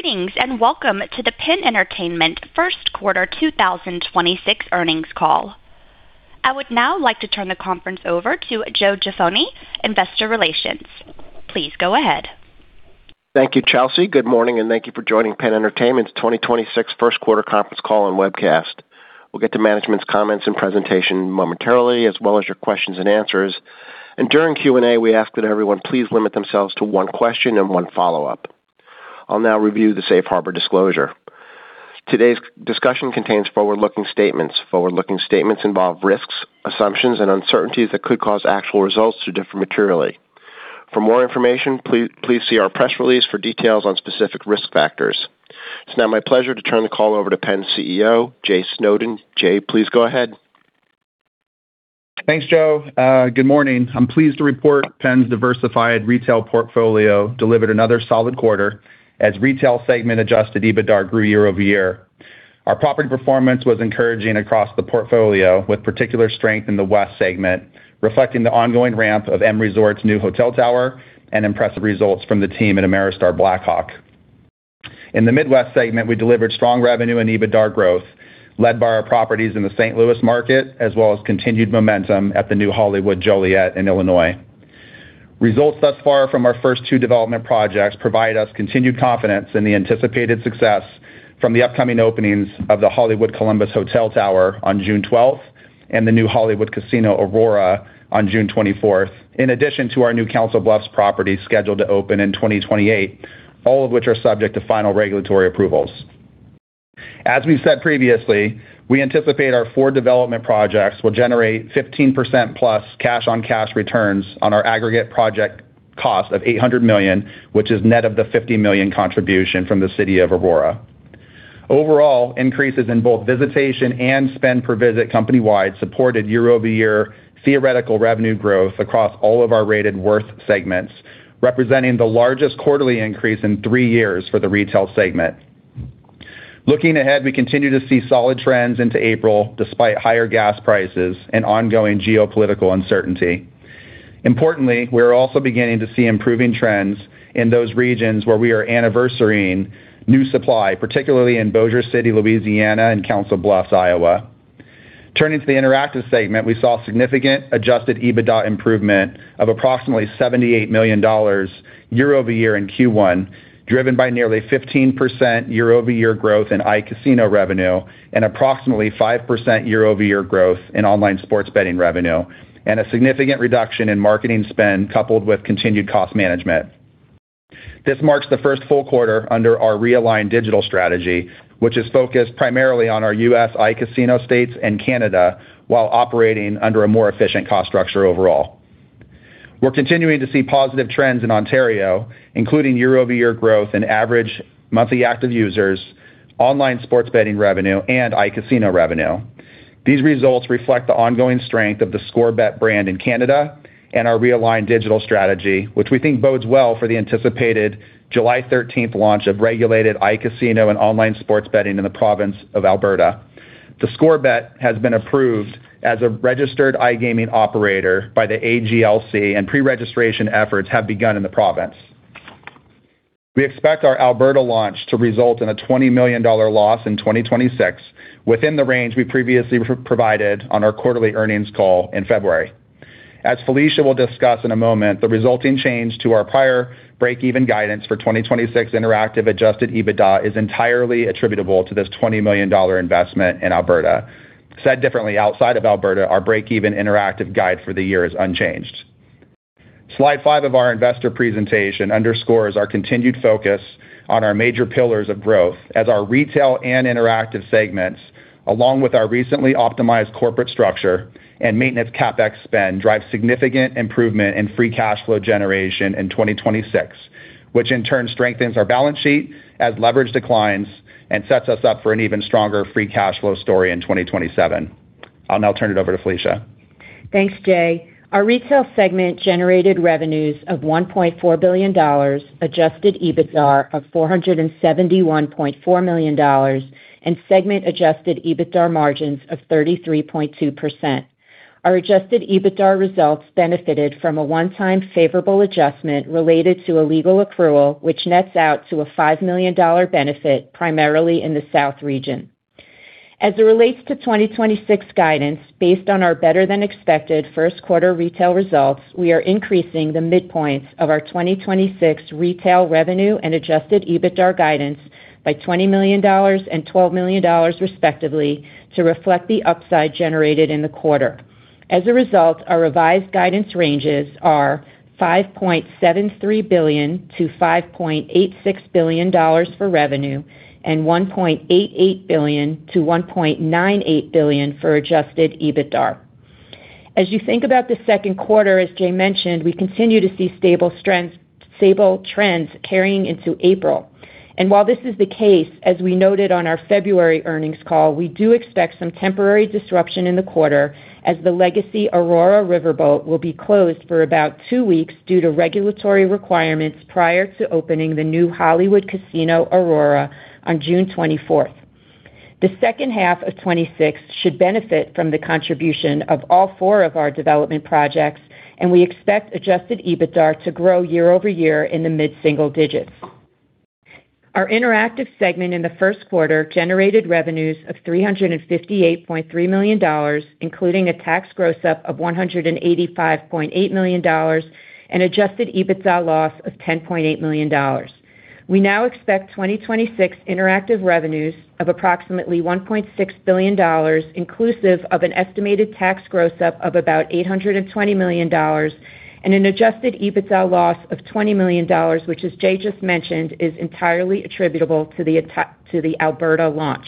Greetings, and welcome to the PENN Entertainment first quarter 2026 earnings call. I would now like to turn the conference over to Joe N. Jaffoni, Investor Relations. Please go ahead. Thank you, Chelsea. Good morning, and thank you for joining PENN Entertainment's 2026 First Quarter Conference Call and webcast. We'll get to management's comments and presentation momentarily, as well as your questions and answers. During Q&A, we ask that everyone please limit themselves to one question and one follow-up. I'll now review the Safe Harbor disclosure. Today's discussion contains forward-looking statements. Forward-looking statements involve risks, assumptions, and uncertainties that could cause actual results to differ materially. For more information, please see our press release for details on specific risk factors. It's now my pleasure to turn the call over to PENN's CEO, Jay Snowden. Jay, please go ahead. Thanks, Joe. Good morning. I'm pleased to report PENN's diversified retail portfolio delivered another solid quarter as retail segment adjusted EBITDA grew year-over-year. Our property performance was encouraging across the portfolio, with particular strength in the West segment, reflecting the ongoing ramp of M Resort's new hotel tower and impressive results from the team at Ameristar Black Hawk. In the Midwest segment, we delivered strong revenue and EBITDA growth led by our properties in the St. Louis market, as well as continued momentum at the new Hollywood Joliet in Illinois. Results thus far from our first two development projects provide us continued confidence in the anticipated success from the upcoming openings of the Hollywood Columbus hotel tower on June 12th and the new Hollywood Casino Aurora on June 24th, in addition to our new Council Bluffs property scheduled to open in 2028, all of which are subject to final regulatory approvals. As we've said previously, we anticipate our four development projects will generate 15%+ cash-on-cash returns on our aggregate project cost of $800 million, which is net of the $50 million contribution from the city of Aurora. Overall, increases in both visitation and spend per visit company-wide supported year-over-year theoretical revenue growth across all of our rated worth segments, representing the largest quarterly increase in three years for the Retail segment. Looking ahead, we continue to see solid trends into April, despite higher gas prices and ongoing geopolitical uncertainty. Importantly, we're also beginning to see improving trends in those regions where we are anniversarying new supply, particularly in Bossier City, Louisiana, and Council Bluffs, Iowa. Turning to the Interactive segment, we saw significant adjusted EBITDA improvement of approximately $78 million year-over-year in Q1, driven by nearly 15% year-over-year growth in iCasino revenue and approximately 5% year-over-year growth in online sports betting revenue, and a significant reduction in marketing spend coupled with continued cost management. This marks the first full quarter under our realigned digital strategy, which is focused primarily on our U.S. iCasino states and Canada while operating under a more efficient cost structure overall. We're continuing to see positive trends in Ontario, including year-over-year growth in average monthly active users, online sports betting revenue, and iCasino revenue. These results reflect the ongoing strength of theScore Bet brand in Canada and our realigned digital strategy, which we think bodes well for the anticipated July 13th launch of regulated iCasino and online sports betting in the province of Alberta. theScore Bet has been approved as a registered iGaming operator by the AGLC, and pre-registration efforts have begun in the province. We expect our Alberta launch to result in a $20 million loss in 2026, within the range we previously provided on our quarterly earnings call in February. As Felicia will discuss in a moment, the resulting change to our prior break-even guidance for 2026 interactive adjusted EBITDA is entirely attributable to this $20 million investment in Alberta. Said differently, outside of Alberta, our break-even interactive guide for the year is unchanged. Slide five of our investor presentation underscores our continued focus on our major pillars of growth as our Retail and Interactive segments, along with our recently optimized corporate structure and maintenance CapEx spend, drive significant improvement in free cash flow generation in 2026. Which in turn strengthens our balance sheet as leverage declines and sets us up for an even stronger free cash flow story in 2027. I'll now turn it over to Felicia. Thanks, Jay. Our Retail segment generated revenues of $1.4 billion, adjusted EBITDA of $471.4 million, and segment adjusted EBITDA margins of 33.2%. Our adjusted EBITDA results benefited from a one-time favorable adjustment related to a legal accrual, which nets out to a $5 million benefit primarily in the South region. As it relates to 2026 guidance, based on our better-than-expected first quarter retail results, we are increasing the midpoints of our 2026 retail revenue and adjusted EBITDA guidance by $20 million and $12 million respectively to reflect the upside generated in the quarter. As a result, our revised guidance ranges are $5.73 billion-$5.86 billion for revenue and $1.88 billion-$1.98 billion for adjusted EBITDA. As you think about the second quarter, as Jay mentioned, we continue to see stable trends carrying into April. While this is the case, as we noted on our February earnings call, we do expect some temporary disruption in the quarter as the legacy Aurora Riverboat will be closed for about two weeks due to regulatory requirements prior to opening the new Hollywood Casino Aurora on June 24th. The second half of 2026 should benefit from the contribution of all four of our development projects, and we expect adjusted EBITDA to grow year-over-year in the mid-single digits. Our Interactive segment in the first quarter generated revenues of $358.3 million, including a tax gross-up of $185.8 million, an adjusted EBITDA loss of $10.8 million. We now expect 2026 interactive revenues of approximately $1.6 billion, inclusive of an estimated tax gross-up of about $820 million and an adjusted EBITDA loss of $20 million, which, as Jay just mentioned, is entirely attributable to the Alberta launch.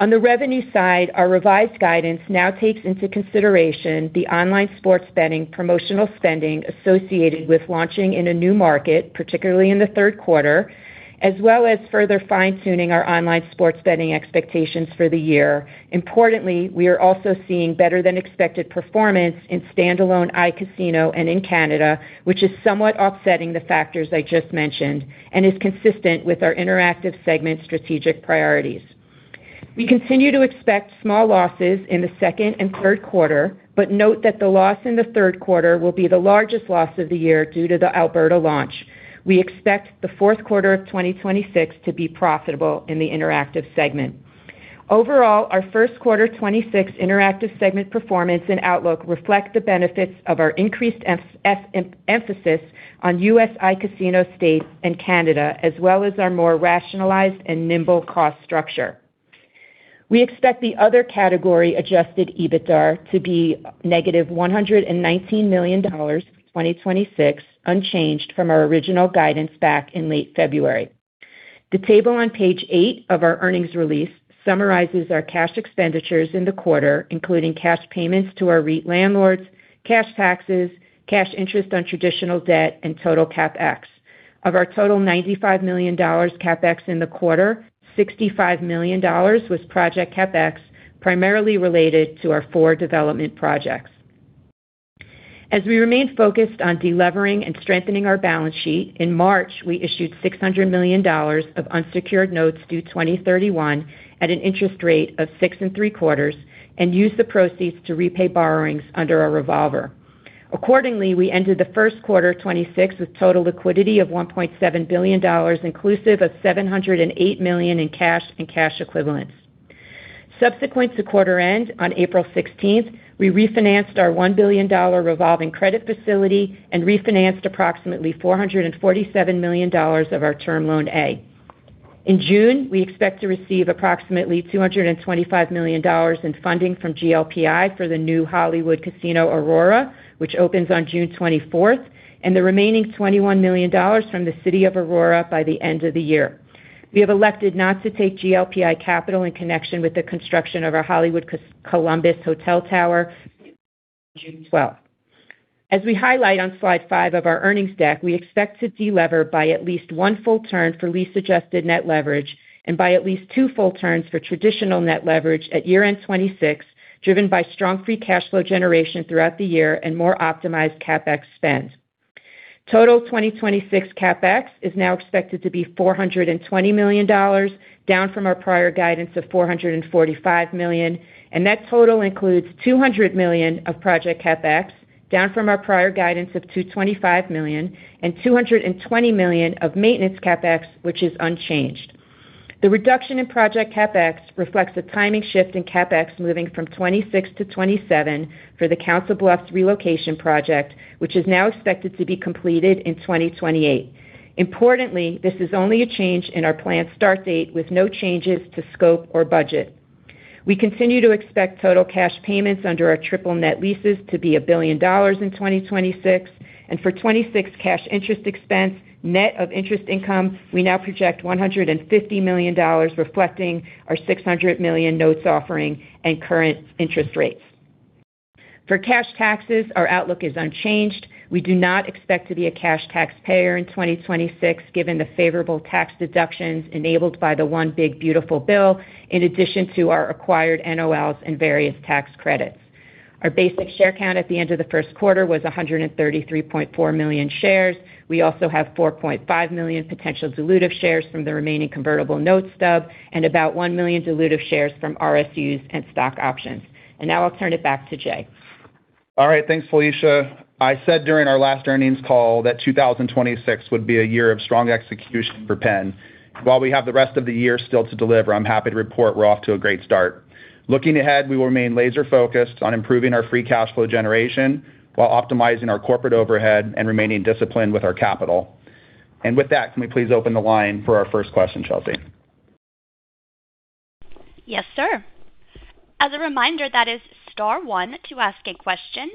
On the revenue side, our revised guidance now takes into consideration the online sports betting promotional spending associated with launching in a new market, particularly in the third quarter, as well as further fine-tuning our online sports betting expectations for the year. Importantly, we are also seeing better than expected performance in standalone iCasino and in Canada, which is somewhat offsetting the factors I just mentioned and is consistent with our interactive segment strategic priorities. We continue to expect small losses in the second and third quarter, but note that the loss in the third quarter will be the largest loss of the year due to the Alberta launch. We expect the fourth quarter of 2026 to be profitable in the Interactive segment. Overall, our first quarter 2026 Interactive segment performance and outlook reflect the benefits of our increased emphasis on U.S. iCasino states and Canada, as well as our more rationalized and nimble cost structure. We expect the other category adjusted EBITDA to be -$119 million in 2026, unchanged from our original guidance back in late February. The table on page eight of our earnings release summarizes our cash expenditures in the quarter, including cash payments to our REIT landlords, cash taxes, cash interest on traditional debt, and total CapEx. Of our total $95 million CapEx in the quarter, $65 million was project CapEx, primarily related to our four development projects. As we remain focused on delevering and strengthening our balance sheet, in March, we issued $600 million of unsecured notes due 2031 at an interest rate of 6.75% and used the proceeds to repay borrowings under our revolver. Accordingly, we ended the first quarter 2026 with total liquidity of $1.7 billion, inclusive of $708 million in cash and cash equivalents. Subsequent to quarter end, on April 16th, we refinanced our $1 billion revolving credit facility and refinanced approximately $447 million of our Term Loan A. In June, we expect to receive approximately $225 million in funding from GLPI for the new Hollywood Casino Aurora, which opens on June 24, 2026, and the remaining $21 million from the city of Aurora by the end of the year. We have elected not to take GLPI capital in connection with the construction of our Hollywood Casino Columbus hotel tower June 12, 2026. As we highlight on slide five of our earnings deck, we expect to delever by at least 1 full turn for lease adjusted net leverage and by at least 2 full turns for traditional net leverage at year-end 2026, driven by strong free cash flow generation throughout the year and more optimized CapEx spend. Total 2026 CapEx is now expected to be $420 million, down from our prior guidance of $445 million, and that total includes $200 million of project CapEx, down from our prior guidance of $225 million and $220 million of maintenance CapEx, which is unchanged. The reduction in project CapEx reflects a timing shift in CapEx, moving from 2026 to 2027 for the Council Bluffs relocation project, which is now expected to be completed in 2028. Importantly, this is only a change in our planned start date with no changes to scope or budget. We continue to expect total cash payments under our triple net leases to be $1 billion in 2026. For 2026 cash interest expense net of interest income, we now project $150 million, reflecting our $600 million notes offering and current interest rates. For cash taxes, our outlook is unchanged. We do not expect to be a cash taxpayer in 2026, given the favorable tax deductions enabled by the One Big Beautiful Bill, in addition to our acquired NOLs and various tax credits. Our basic share count at the end of the first quarter was 133.4 million shares. We also have 4.5 million potential dilutive shares from the remaining convertible notes stub and about 1 million dilutive shares from RSUs and stock options. Now I'll turn it back to Jay. All right. Thanks, Felicia. I said during our last earnings call that 2026 would be a year of strong execution for PENN. While we have the rest of the year still to deliver, I'm happy to report we're off to a great start. Looking ahead, we will remain laser-focused on improving our free cash flow generation while optimizing our corporate overhead and remaining disciplined with our capital. With that, can we please open the line for our first question, Chelsea? Yes, sir. As a reminder, that is star one to ask a question,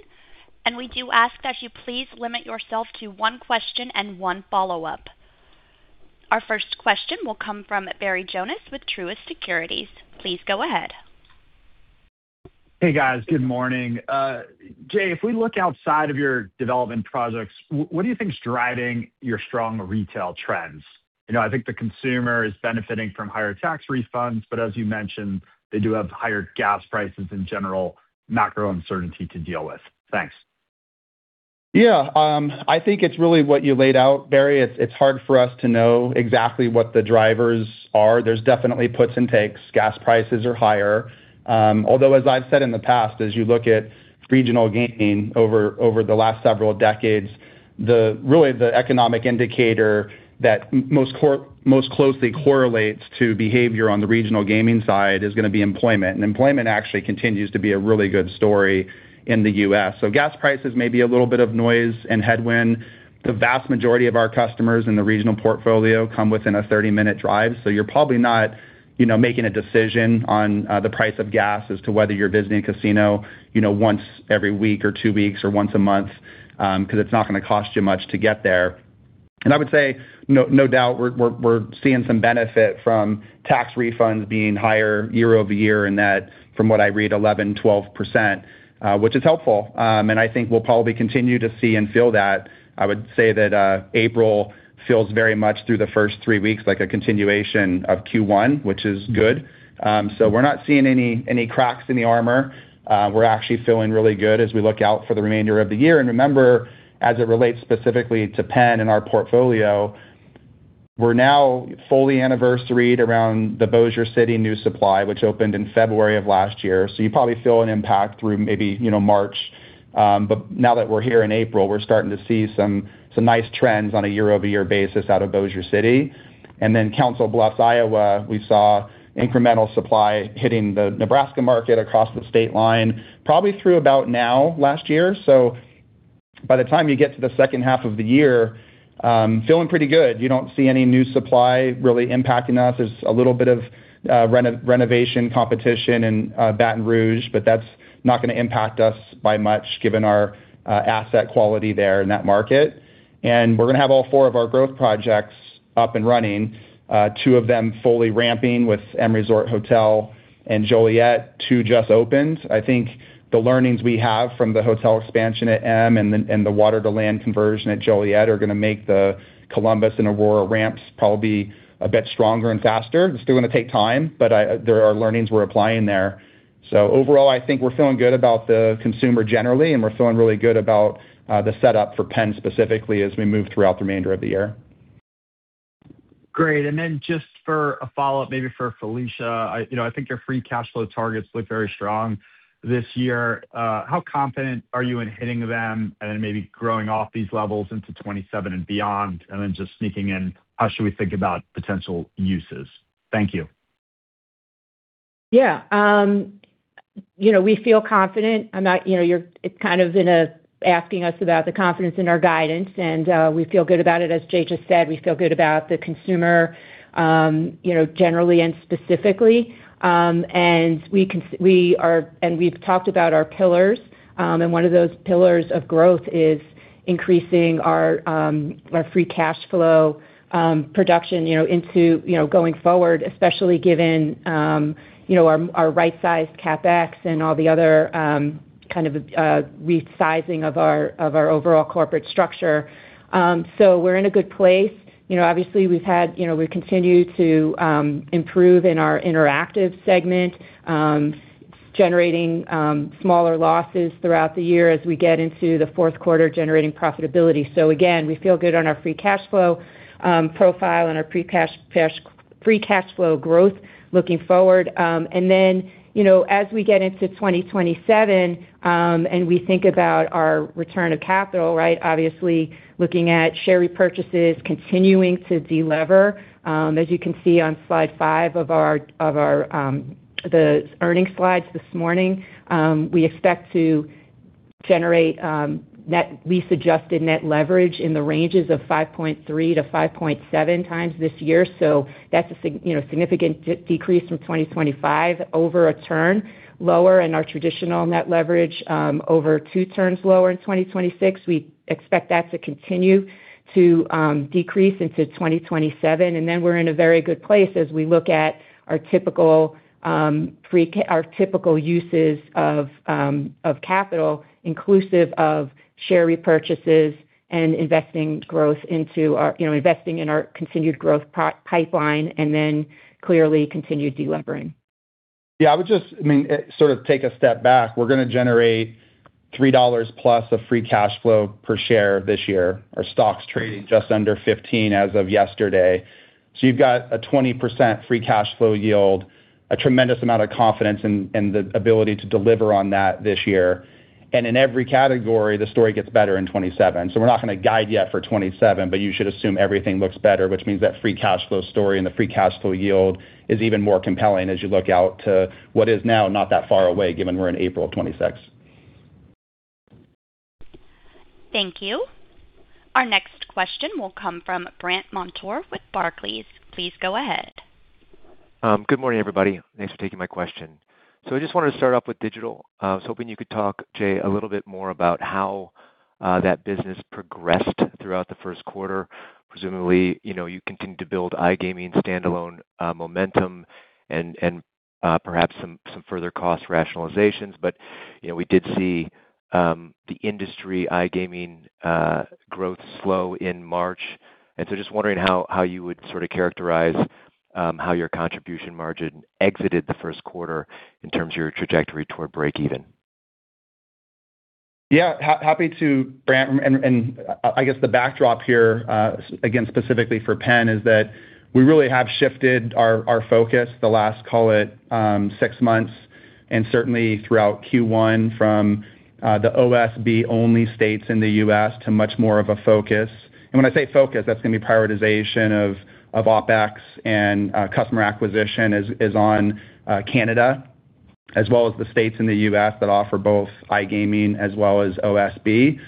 and we do ask that you please limit yourself to one question and one follow-up. Our first question will come from Barry Jonas with Truist Securities. Please go ahead. Hey, guys. Good morning. Jay, if we look outside of your development projects, what do you think is driving your strong retail trends? I think the consumer is benefiting from higher tax refunds, but as you mentioned, they do have higher gas prices and general macro uncertainty to deal with. Thanks. Yeah. I think it's really what you laid out, Barry. It's hard for us to know exactly what the drivers are. There's definitely puts and takes. Gas prices are higher. Although, as I've said in the past, as you look at regional gaming over the last several decades, really, the economic indicator that most closely correlates to behavior on the regional gaming side is going to be employment. Employment actually continues to be a really good story in the U.S. Gas prices may be a little bit of noise and headwind. The vast majority of our customers in the regional portfolio come within a 30-minute drive. You're probably not making a decision on the price of gas as to whether you're visiting a casino once every week or two weeks or once a month, because it's not going to cost you much to get there. I would say, no doubt, we're seeing some benefit from tax refunds being higher year-over-year, in that, from what I read, 11%-12%, which is helpful. I think we'll probably continue to see and feel that. I would say that April feels very much, through the first three weeks, like a continuation of Q1, which is good. We're not seeing any cracks in the armor. We're actually feeling really good as we look out for the remainder of the year. Remember, as it relates specifically to PENN and our portfolio, we're now fully anniversaried around the Bossier City new supply, which opened in February of last year. You probably feel an impact through maybe March. Now that we're here in April, we're starting to see some nice trends on a year-over-year basis out of Bossier City. Council Bluffs, Iowa, we saw incremental supply hitting the Nebraska market across the state line, probably through about now last year. By the time you get to the second half of the year, feeling pretty good. You don't see any new supply really impacting us. There's a little bit of renovation competition in Baton Rouge, but that's not going to impact us by much given our asset quality there in that market. We're going to have all four of our growth projects up and running, two of them fully ramping with M Resort Hotel and Joliet, two just opened. I think the learnings we have from the hotel expansion at M and the water-to-land conversion at Joliet are going to make the Columbus and Aurora ramps probably a bit stronger and faster. It's still going to take time, but there are learnings we're applying there. Overall, I think we're feeling good about the consumer generally, and we're feeling really good about the setup for PENN specifically as we move throughout the remainder of the year. Great. Just for a follow-up, maybe for Felicia. I think your free cash flow targets look very strong this year. How confident are you in hitting them and then maybe growing off these levels into 2027 and beyond? Just sneaking in, how should we think about potential uses? Thank you. Yeah. We feel confident. It's kind of an answer to asking us about the confidence in our guidance, and we feel good about it. As Jay just said, we feel good about the consumer, generally and specifically. We've talked about our pillars, and one of those pillars of growth is increasing our free cash flow production going forward, especially given our right-sized CapEx and all the other kind of resizing of our overall corporate structure. We're in a good place. Obviously, we continue to improve in our Interactive segment, generating smaller losses throughout the year as we get into the fourth quarter, generating profitability. Again, we feel good on our free cash flow profile and our free cash flow growth looking forward. Then, as we get into 2027, and we think about our return of capital, obviously, looking at share repurchases, continuing to delever. As you can see on slide five of the earnings slides this morning, we expect to generate lease-adjusted net leverage in the ranges of 5.3-5.7x this year. That's a significant decrease from 2025, over a turn lower in our traditional net leverage, over two turns lower in 2026. We expect that to continue to decrease into 2027. Then we're in a very good place as we look at our typical uses of capital, inclusive of share repurchases and investing in our continued growth pipeline, and then clearly continued delevering. Yeah. I would just take a step back. We're going to generate $3+ of free cash flow per share this year. Our stock's trading just under 15 as of yesterday. You've got a 20% free cash flow yield, a tremendous amount of confidence in the ability to deliver on that this year. In every category, the story gets better in 2027. We're not going to guide yet for 2027, but you should assume everything looks better, which means that free cash flow story and the free cash flow yield is even more compelling as you look out to what is now not that far away, given we're in April of 2026. Thank you. Our next question will come from Brandt Montour with Barclays. Please go ahead. Good morning, everybody. Thanks for taking my question. I just wanted to start off with digital. I was hoping you could talk, Jay, a little bit more about how that business progressed throughout the first quarter. Presumably, you continue to build iGaming standalone momentum and perhaps some further cost rationalizations. We did see the industry iGaming growth slow in March. Just wondering how you would sort of characterize how your contribution margin exited the first quarter in terms of your trajectory toward break even. Yeah. Happy to, Brandt. I guess the backdrop here, again, specifically for PENN, is that we really have shifted our focus the last, call it, six months and certainly throughout Q1 from the OSB-only states in the U.S. to much more of a focus. When I say focus, that's going to be prioritization of OpEx and customer acquisition in Canada as well as the states in the U.S. that offer both iGaming as well as OSB.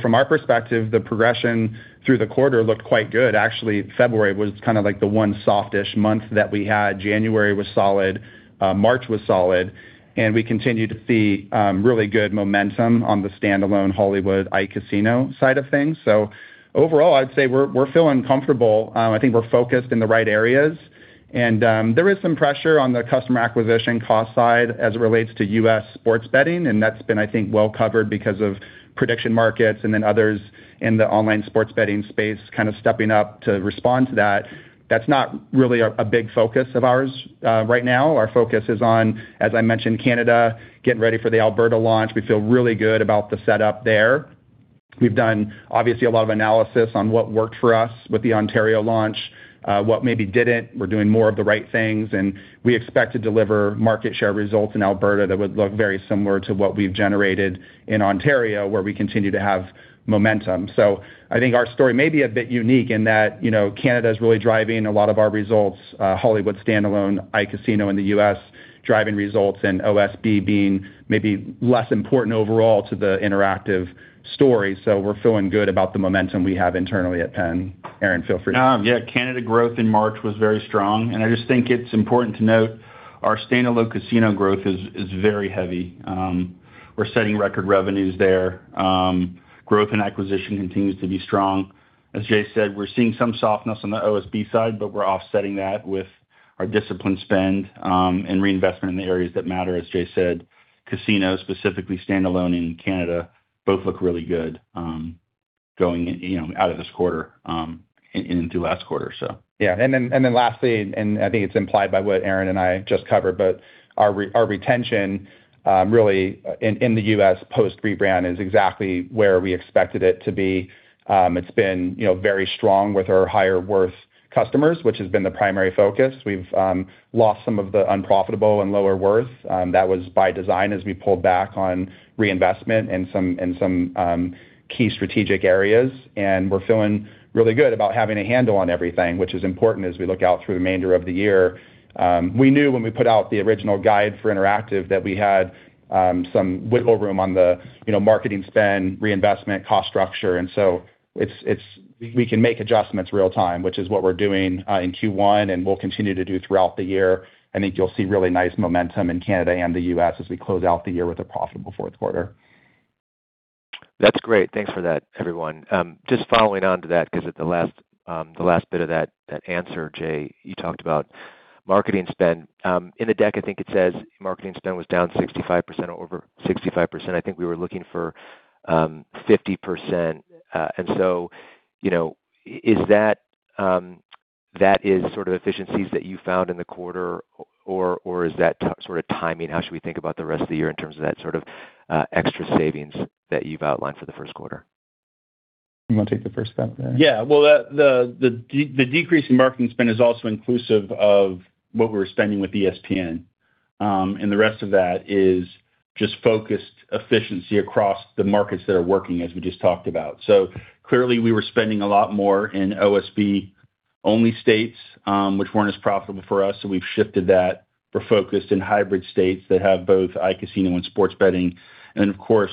From our perspective, the progression through the quarter looked quite good. Actually, February was kind of like the one softish month that we had. January was solid. March was solid. We continue to see really good momentum on the standalone Hollywood iCasino side of things. Overall, I'd say we're feeling comfortable. I think we're focused in the right areas. There is some pressure on the customer acquisition cost side as it relates to U.S. sports betting, and that's been, I think, well covered because of prediction markets and then others in the online sports betting space kind of stepping up to respond to that. That's not really a big focus of ours right now. Our focus is on, as I mentioned, Canada, getting ready for the Alberta launch. We feel really good about the setup there. We've done, obviously, a lot of analysis on what worked for us with the Ontario launch, what maybe didn't. We're doing more of the right things, and we expect to deliver market share results in Alberta that would look very similar to what we've generated in Ontario, where we continue to have momentum. I think our story may be a bit unique in that, Canada is really driving a lot of our results, Hollywood standalone, iCasino in the U.S. driving results, and OSB being maybe less important overall to the interactive story. We're feeling good about the momentum we have internally at PENN. Aaron, feel free. Yeah. Canada growth in March was very strong. I just think it's important to note our standalone casino growth is very heavy. We're setting record revenues there. Growth in acquisition continues to be strong. As Jay said, we're seeing some softness on the OSB side, but we're offsetting that with our disciplined spend, and reinvestment in the areas that matter. As Jay said, casinos, specifically standalone in Canada, both look really good going out of this quarter, into last quarter. Yeah. Then lastly, and I think it's implied by what Aaron and I just covered, but our retention really in the U.S. post rebrand is exactly where we expected it to be. It's been very strong with our higher worth customers, which has been the primary focus. We've lost some of the unprofitable and lower worth. That was by design as we pulled back on reinvestment in some key strategic areas. We're feeling really good about having a handle on everything, which is important as we look out through the remainder of the year. We knew when we put out the original guide for interactive that we had some wiggle room on the marketing spend, reinvestment, cost structure, and so we can make adjustments real time, which is what we're doing in Q1 and will continue to do throughout the year. I think you'll see really nice momentum in Canada and the U.S. as we close out the year with a profitable fourth quarter. That's great. Thanks for that, everyone. Just following on to that, because at the last bit of that answer, Jay, you talked about marketing spend. In the deck, I think it says marketing spend was down 65% or over 65%. I think we were looking for 50%. That is sort of efficiencies that you found in the quarter or is that sort of timing? How should we think about the rest of the year in terms of that sort of extra savings that you've outlined for the first quarter? You want to take the first crack at that? Yeah. Well, the decrease in marketing spend is also inclusive of what we were spending with ESPN. The rest of that is just focused efficiency across the markets that are working, as we just talked about. Clearly we were spending a lot more in OSB-only states, which weren't as profitable for us, so we've shifted that. We're focused in hybrid states that have both iCasino and sports betting. Of course,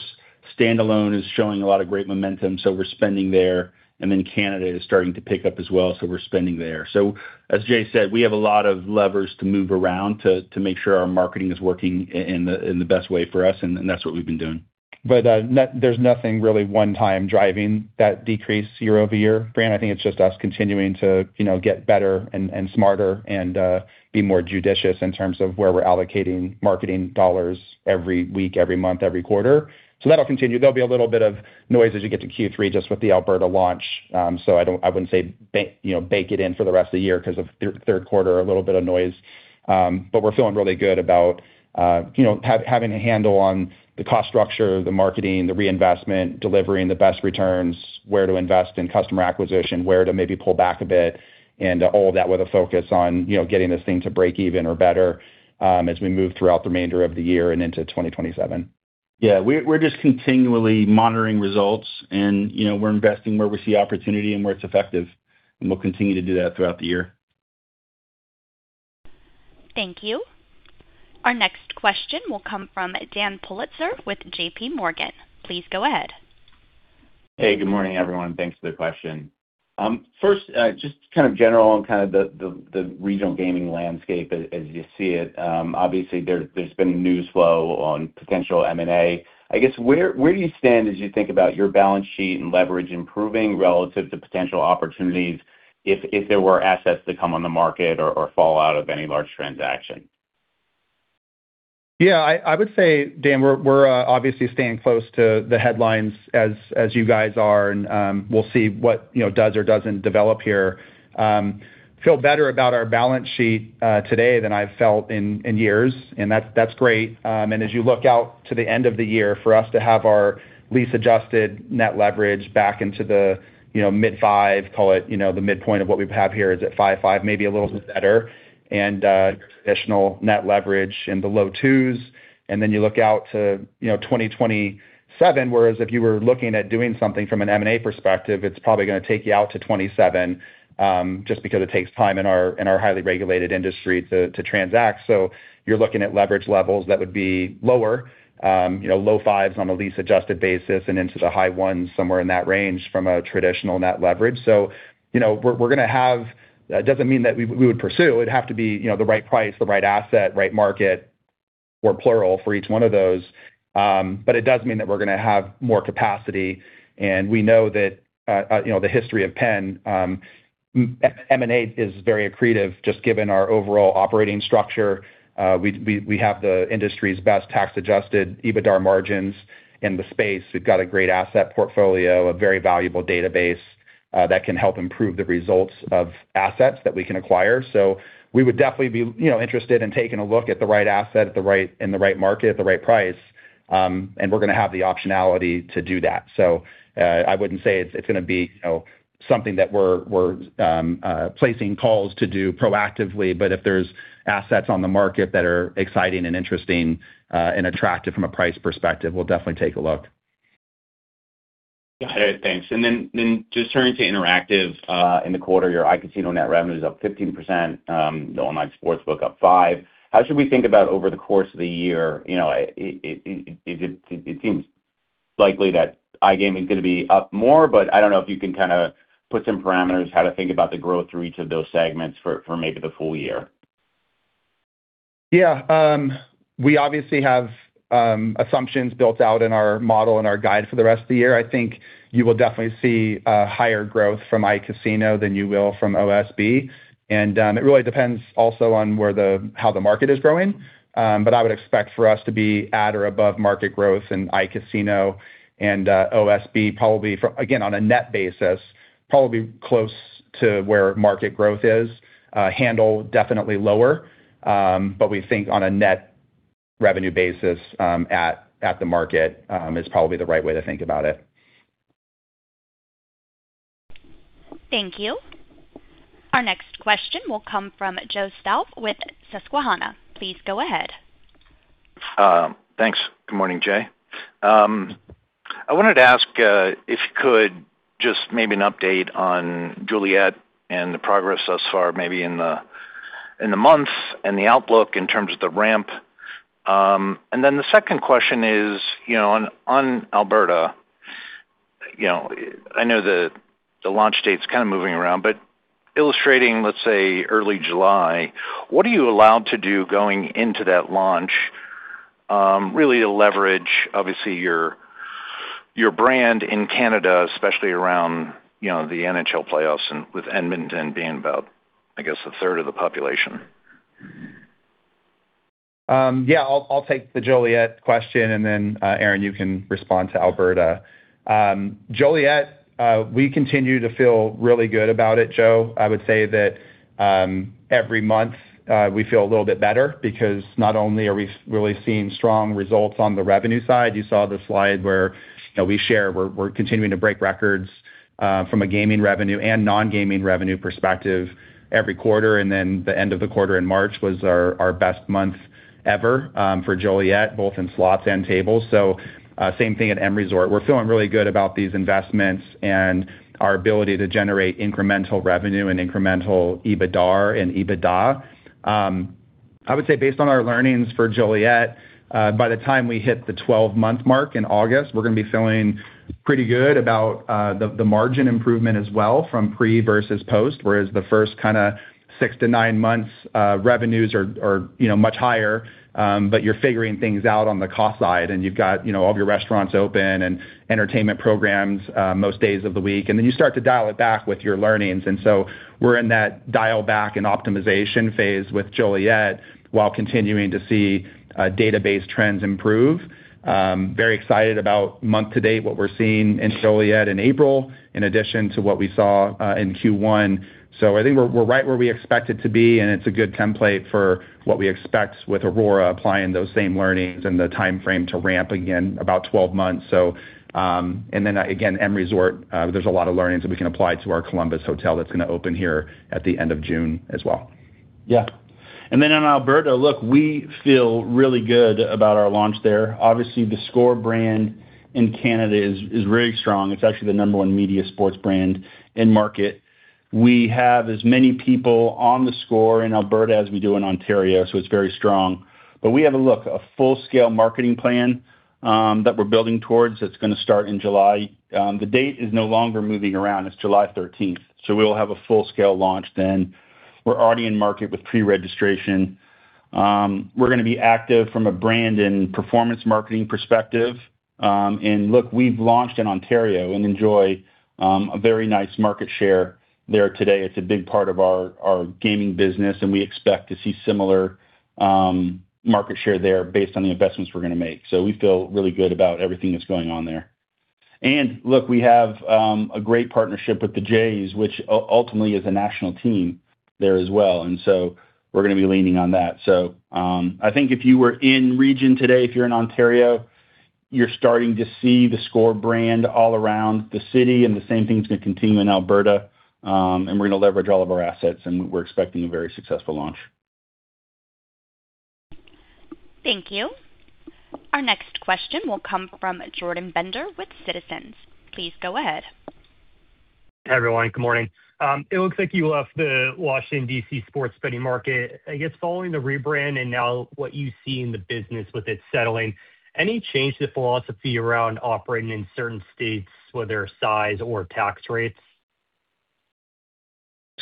standalone is showing a lot of great momentum, so we're spending there. Then Canada is starting to pick up as well, so we're spending there. As Jay said, we have a lot of levers to move around to make sure our marketing is working in the best way for us, and that's what we've been doing. There's nothing really one-time driving that decrease year-over-year, Brandt. I think it's just us continuing to get better and smarter and be more judicious in terms of where we're allocating marketing dollars every week, every month, every quarter. That'll continue. There'll be a little bit of noise as you get to Q3 just with the Alberta launch. I wouldn't say bake it in for the rest of the year because of third quarter, a little bit of noise. We're feeling really good about having a handle on the cost structure, the marketing, the reinvestment, delivering the best returns, where to invest in customer acquisition, where to maybe pull back a bit, and all of that with a focus on getting this thing to break even or better as we move throughout the remainder of the year and into 2027. Yeah. We're just continually monitoring results and we're investing where we see opportunity and where it's effective, and we'll continue to do that throughout the year. Thank you. Our next question will come from Dan Politzer with JPMorgan. Please go ahead. Hey, good morning, everyone. Thanks for the question. First, just kind of general on kind of the regional gaming landscape as you see it. Obviously, there's been news flow on potential M&A. I guess, where do you stand as you think about your balance sheet and leverage improving relative to potential opportunities if there were assets to come on the market or fall out of any large transaction? Yeah, I would say, Dan, we're obviously staying close to the headlines as you guys are, and we'll see what does or doesn't develop here. Feel better about our balance sheet today than I've felt in years, and that's great. As you look out to the end of the year, for us to have our lease adjusted net leverage back into the mid-5s, call it, the midpoint of what we have here is at 5.5, maybe a little better, and traditional net leverage in the low 2s. Then you look out to 2027, whereas if you were looking at doing something from an M&A perspective, it's probably going to take you out to 2027, just because it takes time in our highly regulated industry to transact. You're looking at leverage levels that would be lower, low 5s on a lease adjusted basis and into the high ones, somewhere in that range from a traditional net leverage. It doesn't mean that we would pursue. It'd have to be the right price, the right asset, right market or plural for each one of those. It does mean that we're going to have more capacity. We know that the history of PENN, M&A is very accretive, just given our overall operating structure. We have the industry's best tax-adjusted EBITDA margins in the space. We've got a great asset portfolio, a very valuable database that can help improve the results of assets that we can acquire. We would definitely be interested in taking a look at the right asset in the right market at the right price. We're going to have the optionality to do that. I wouldn't say it's going to be something that we're placing calls to do proactively, but if there's assets on the market that are exciting and interesting, and attractive from a price perspective, we'll definitely take a look. Got it. Thanks. Just turning to Interactive in the quarter, your iCasino net revenue is up 15%, the online sportsbook up 5%. How should we think about over the course of the year? It seems likely that iGaming is going to be up more, but I don't know if you can kind of put some parameters how to think about the growth through each of those segments for maybe the full year. Yeah. We obviously have assumptions built out in our model and our guide for the rest of the year. I think you will definitely see a higher growth from iCasino than you will from OSB. It really depends also on how the market is growing. I would expect for us to be at or above market growth in iCasino and OSB, again, on a net basis, probably close to where market growth is. Handle definitely lower. We think on a net revenue basis, at the market, is probably the right way to think about it. Thank you. Our next question will come from Joe Stauff with Susquehanna. Please go ahead. Thanks. Good morning, Jay. I wanted to ask, if you could, just maybe an update on Joliet and the progress thus far, maybe in the months and the outlook in terms of the ramp. The second question is, on Alberta, I know the launch date's kind of moving around, but illustrating, let's say, early July, what are you allowed to do going into that launch, really to leverage, obviously, your brand in Canada, especially around the NHL playoffs and with Edmonton being about, I guess, a third of the population? Yeah, I'll take the Joliet question and then, Aaron, you can respond to Alberta. Joliet, we continue to feel really good about it, Joe. I would say that every month, we feel a little bit better because not only are we really seeing strong results on the revenue side, you saw the slide where we share, we're continuing to break records, from a gaming revenue and non-gaming revenue perspective every quarter. The end of the quarter in March was our best month ever, for Joliet, both in slots and tables. Same thing at M Resort. We're feeling really good about these investments and our ability to generate incremental revenue and incremental EBITDAR and EBITDA. I would say based on our learnings for Joliet, by the time we hit the 12-month mark in August, we're going to be feeling pretty good about the margin improvement as well from pre versus post. Whereas the first six to nine months revenues are much higher, but you're figuring things out on the cost side, and you've got all of your restaurants open and entertainment programs most days of the week. You start to dial it back with your learnings. We're in that dial back and optimization phase with Joliet while continuing to see database trends improve. I'm very excited about month to date, what we're seeing in Joliet in April, in addition to what we saw in Q1. I think we're right where we expect it to be, and it's a good template for what we expect with Aurora applying those same learnings and the timeframe to ramp again about 12 months. Again, M Resort, there's a lot of learnings that we can apply to our Columbus Hotel that's going to open here at the end of June as well. Yeah. Then on Alberta, look, we feel really good about our launch there. Obviously, theScore brand in Canada is very strong. It's actually the number one media sports brand in market. We have as many people on theScore in Alberta as we do in Ontario, so it's very strong. But we have, look, a full-scale marketing plan that we're building towards that's going to start in July. The date is no longer moving around. It's July 13th. We'll have a full-scale launch then. We're already in market with pre-registration. We're going to be active from a brand and performance marketing perspective. Look, we've launched in Ontario and enjoy a very nice market share there today. It's a big part of our gaming business, and we expect to see similar market share there based on the investments we're going to make. We feel really good about everything that's going on there. Look, we have a great partnership with the Jays, which ultimately is a national team there as well. We're going to be leaning on that. I think if you were in the region today, if you're in Ontario, you're starting to see theScore brand all around the city, and the same thing's going to continue in Alberta. We're going to leverage all of our assets, and we're expecting a very successful launch. Thank you. Our next question will come from Jordan Bender with Citizens. Please go ahead. Hi, everyone. Good morning. It looks like you left the Washington, D.C., sports betting market. I guess following the rebrand and now what you see in the business with it settling, any change to philosophy around operating in certain states, whether size or tax rates?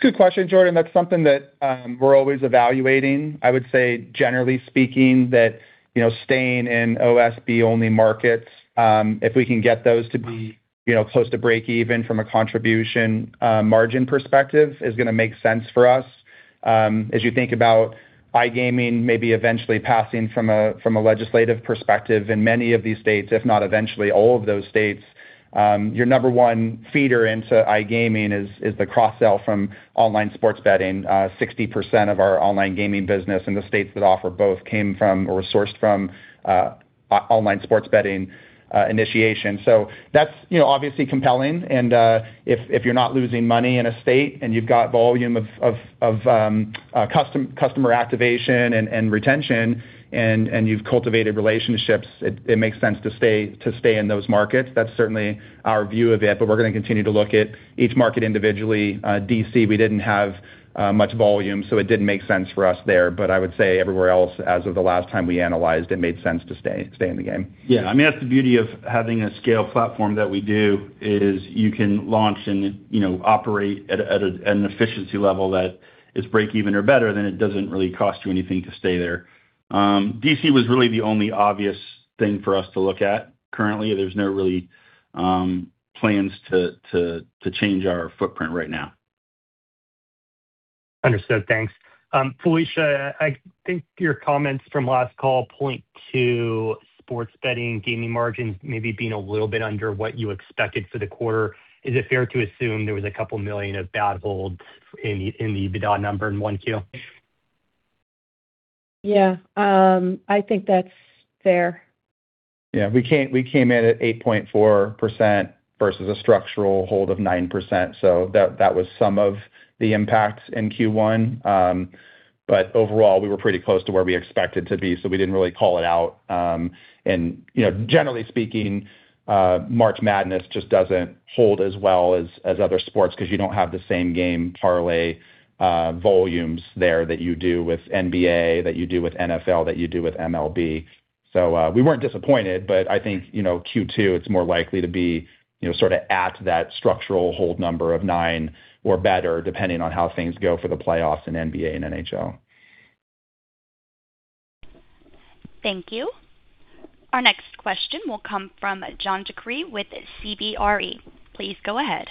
It's a good question, Jordan. That's something that we're always evaluating. I would say, generally speaking, that staying in OSB-only markets, if we can get those to be close to breakeven from a contribution margin perspective, is going to make sense for us. As you think about iGaming maybe eventually passing from a legislative perspective in many of these states, if not eventually all of those states, your number one feeder into iGaming is the cross-sell from online sports betting. 60% of our online gaming business in the states that offer both came from or were sourced from online sports betting initiation. That's obviously compelling, and if you're not losing money in a state and you've got volume of customer activation and retention and you've cultivated relationships, it makes sense to stay in those markets. That's certainly our view of it, but we're going to continue to look at each market individually. D.C., we didn't have much volume, so it didn't make sense for us there. I would say everywhere else, as of the last time we analyzed, it made sense to stay in the game. Yeah. I mean, that's the beauty of having a scale platform that we do is you can launch and operate at an efficiency level that is breakeven or better. It doesn't really cost you anything to stay there. D.C. was really the only obvious thing for us to look at currently. There's no real plans to change our footprint right now. Understood. Thanks. Felicia, I think your comments from last call point to sports betting, gaming margins maybe being a little bit under what you expected for the quarter. Is it fair to assume there was a couple million of bad holds in the EBITDA number in 1Q? Yeah. I think that's fair. Yeah, we came in at 8.4% versus a structural hold of 9%. That was some of the impacts in Q1. Overall, we were pretty close to where we expected to be, so we didn't really call it out. Generally speaking, March Madness just doesn't hold as well as other sports because you don't have the same game parlay volumes there that you do with NBA, that you do with NFL, that you do with MLB. We weren't disappointed, but I think, Q2, it's more likely to be sort of at that structural hold number of 9% or better, depending on how things go for the playoffs in NBA and NHL. Thank you. Our next question will come from John DeCree with CBRE. Please go ahead.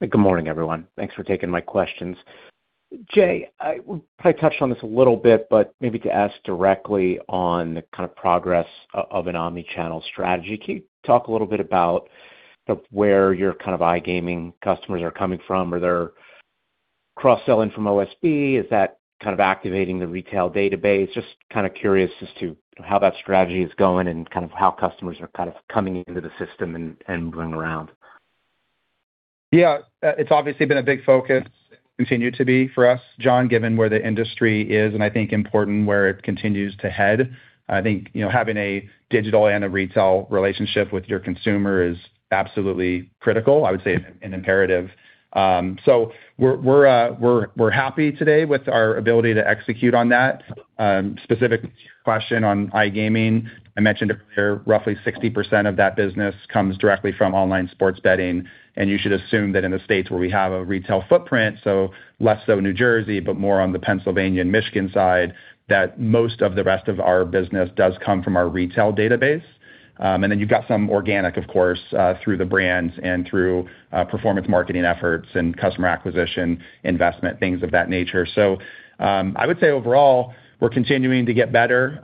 Good morning, everyone. Thanks for taking my questions. Jay, we probably touched on this a little bit, but maybe to ask directly on the kind of progress of an omni-channel strategy. Can you talk a little bit about where your kind of iGaming customers are coming from? Are they cross-selling from OSB? Is that kind of activating the retail database? Just kind of curious as to how that strategy is going and kind of how customers are kind of coming into the system and going around. Yeah. It's obviously been a big focus continued to be for us, John, given where the industry is and I think important where it continues to head. I think having a digital and a retail relationship with your consumer is absolutely critical. I would say an imperative. We're happy today with our ability to execute on that. Specific question on iGaming, I mentioned earlier, roughly 60% of that business comes directly from online sports betting, and you should assume that in the states where we have a retail footprint, so less so New Jersey, but more on the Pennsylvania and Michigan side, that most of the rest of our business does come from our retail database. Then you've got some organic, of course, through the brands and through performance marketing efforts and customer acquisition, investment, things of that nature. I would say overall, we're continuing to get better.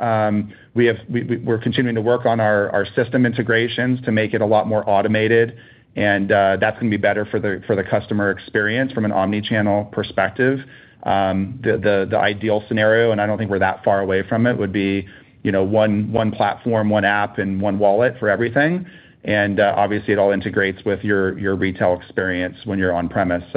We're continuing to work on our system integrations to make it a lot more automated, and that's going to be better for the customer experience from an omni-channel perspective. The ideal scenario, and I don't think we're that far away from it, would be one platform, one app, and one wallet for everything. Obviously, it all integrates with your retail experience when you're on-premises.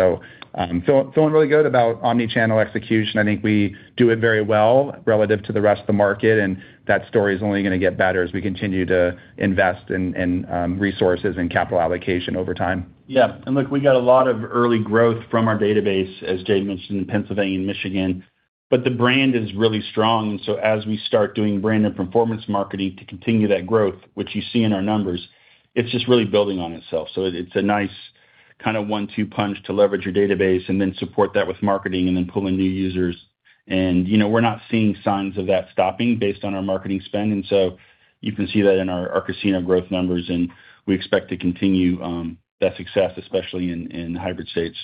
Feeling really good about omni-channel execution. I think we do it very well relative to the rest of the market, and that story's only going to get better as we continue to invest in resources and capital allocation over time. Yeah. Look, we got a lot of early growth from our database, as Jay mentioned, in Pennsylvania and Michigan. The brand is really strong, and so as we start doing brand and performance marketing to continue that growth, which you see in our numbers, it's just really building on itself. It's a nice kind of one-two punch to leverage your database and then support that with marketing and then pull in new users. We're not seeing signs of that stopping based on our marketing spend. You can see that in our casino growth numbers, and we expect to continue that success, especially in hybrid states.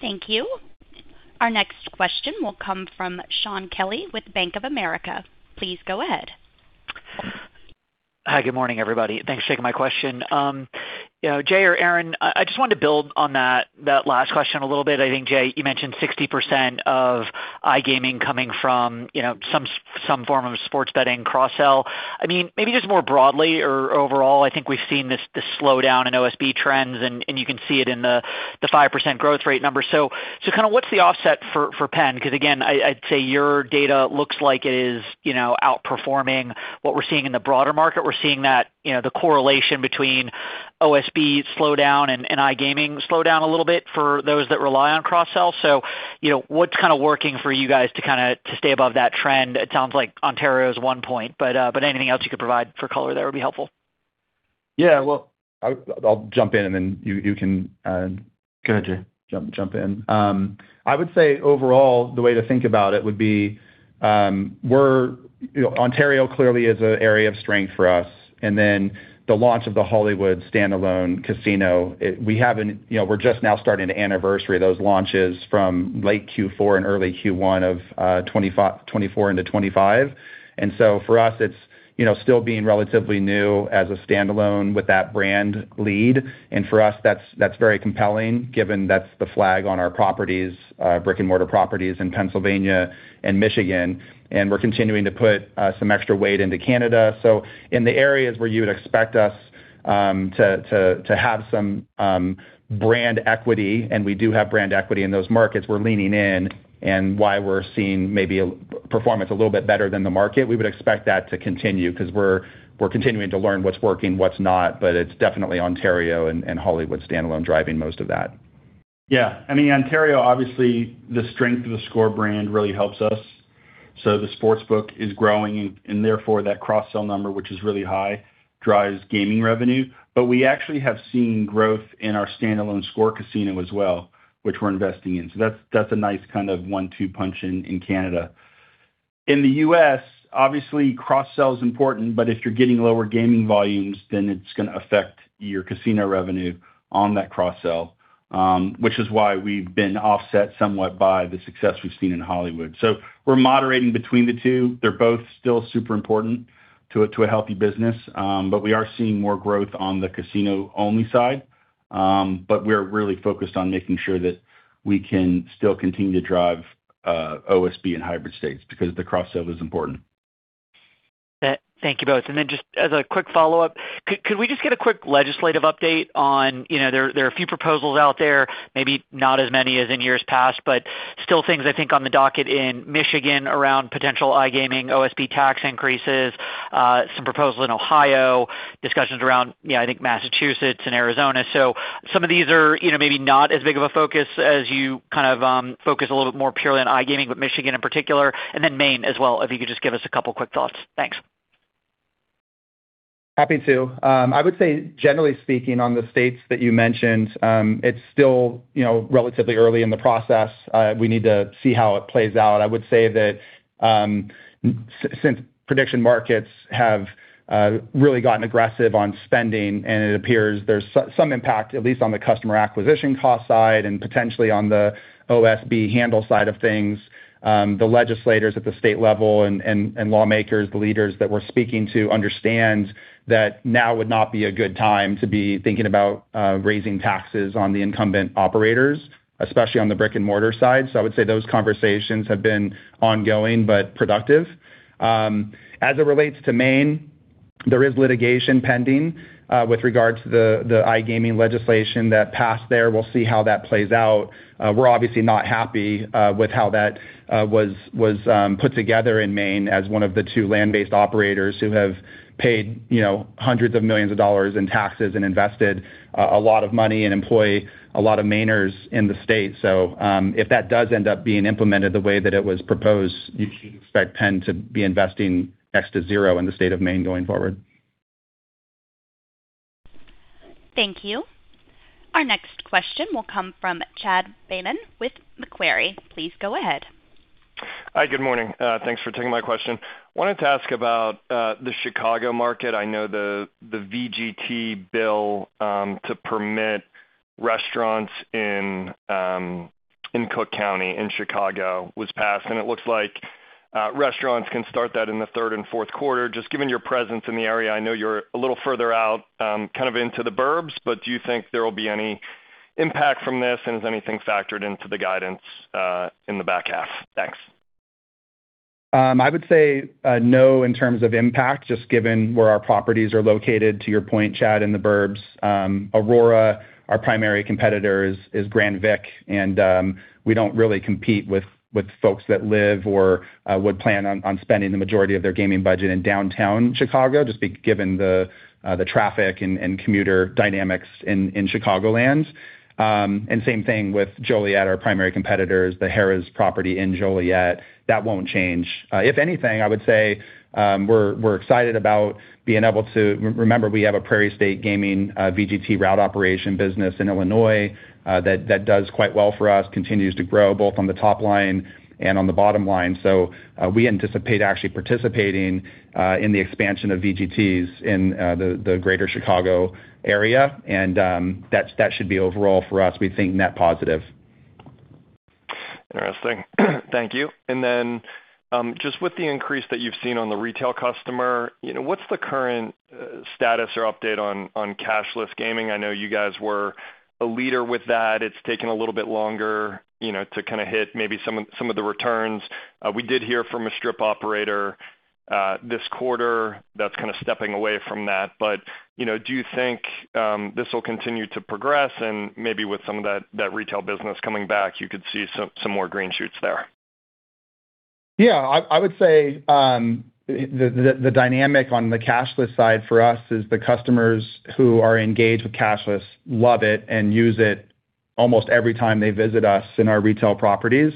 Thank you. Our next question will come from Shaun Kelley with Bank of America. Please go ahead. Hi, good morning, everybody. Thanks for taking my question. Jay or Aaron, I just wanted to build on that last question a little bit. I think, Jay, you mentioned 60% of iGaming coming from some form of sports betting cross-sell. Maybe just more broadly or overall, I think we've seen this slowdown in OSB trends, and you can see it in the 5% growth rate number. What's the offset for PENN? Because again, I'd say your data looks like it is outperforming what we're seeing in the broader market. We're seeing that the correlation between OSB slowdown and iGaming slowdown a little bit for those that rely on cross-sell. What's working for you guys to stay above that trend? It sounds like Ontario is one point, but anything else you could provide for color there would be helpful. Yeah, well, I'll jump in and then you can. Go ahead, Jay. Jump in. I would say overall, the way to think about it would be Ontario clearly is an area of strength for us, and then the launch of the Hollywood standalone casino. We're just now starting to anniversary those launches from late Q4 and early Q1 of 2024 into 2025. For us, it's still being relatively new as a standalone with that brand-led. For us, that's very compelling given that's the flagship of our brick-and-mortar properties in Pennsylvania and Michigan, and we're continuing to put some extra weight into Canada. In the areas where you would expect us to have some brand equity, and we do have brand equity in those markets, we're leaning in, and why we're seeing maybe performance a little bit better than the market. We would expect that to continue because we're continuing to learn what's working, what's not, but it's definitely Ontario and Hollywood standalone driving most of that. Yeah. Ontario, obviously, the strength of the theScore brand really helps us. The sportsbook is growing, and therefore, that cross-sell number, which is really high, drives gaming revenue. We actually have seen growth in our standalone theScore Casino as well, which we're investing in. That's a nice kind of one-two punch in Canada. In the U.S., obviously, cross-sell is important, but if you're getting lower gaming volumes, then it's going to affect your casino revenue on that cross-sell, which is why we've been offset somewhat by the success we've seen in Hollywood. We're moderating between the two. They're both still super important to a healthy business. We are seeing more growth on the casino-only side. We're really focused on making sure that we can still continue to drive OSB in hybrid states because the cross-sell is important. Thank you both. Then just as a quick follow-up, could we just get a quick legislative update on there are a few proposals out there, maybe not as many as in years past, but still things, I think, on the docket in Michigan around potential iGaming, OSB tax increases, some proposals in Ohio, discussions around, I think, Massachusetts and Arizona. Some of these are maybe not as big of a focus as you kind of focus a little bit more purely on iGaming, but Michigan in particular, and then Maine as well, if you could just give us a couple quick thoughts. Thanks. Happy to. I would say, generally speaking, on the states that you mentioned, it's still relatively early in the process. We need to see how it plays out. I would say that since prediction markets have really gotten aggressive on spending, and it appears there's some impact, at least on the customer acquisition cost side and potentially on the OSB handle side of things, the legislators at the state level and lawmakers, the leaders that we're speaking to understand that now would not be a good time to be thinking about raising taxes on the incumbent operators, especially on the brick-and-mortar side. I would say those conversations have been ongoing but productive. As it relates to Maine, there is litigation pending with regard to the iGaming legislation that passed there. We'll see how that plays out. We're obviously not happy with how that was put together in Maine as one of the two land-based operators who have paid hundreds of millions of dollars in taxes and invested a lot of money and employ a lot of Mainers in the state. If that does end up being implemented the way that it was proposed, you can expect PENN to be investing [next] to zero in the state of Maine going forward. Thank you. Our next question will come from Chad Beynon with Macquarie. Please go ahead. Hi, good morning. Thanks for taking my question. I wanted to ask about the Chicago market. I know the VGT bill to permit restaurants in Cook County in Chicago was passed, and it looks like restaurants can start that in the third and fourth quarter. Just given your presence in the area, I know you're a little further out, kind of into the burbs, but do you think there will be any impact from this? Is anything factored into the guidance in the back half? Thanks. I would say no in terms of impact, just given where our properties are located, to your point, Chad, in the burbs. Aurora, our primary competitor, is Grand Vic, and we don't really compete with folks that live or would plan on spending the majority of their gaming budget in downtown Chicago, just given the traffic and commuter dynamics in Chicagolands. Same thing with Joliet, our primary competitor is the Harrah's property in Joliet. That won't change. If anything, I would say we're excited about being able to. Remember, we have a Prairie State Gaming VGT route operation business in Illinois that does quite well for us, continues to grow both on the top line and on the bottom line. We anticipate actually participating in the expansion of VGTs in the Greater Chicago area, and that should be overall for us, we think, net positive. Interesting. Thank you. Just with the increase that you've seen on the retail customer, what's the current status or update on cashless gaming? I know you guys were a leader with that. It's taken a little bit longer to kind of hit maybe some of the returns. We did hear from a Strip operator this quarter that's kind of stepping away from that. Do you think this will continue to progress and maybe with some of that retail business coming back, you could see some more green shoots there? Yeah, I would say, the dynamic on the cashless side for us is the customers who are engaged with cashless love it and use it almost every time they visit us in our retail properties.